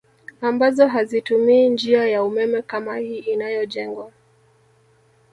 Ambazo hazitumii njia ya umeme kama hii inayojengwa